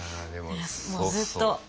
もうずっと。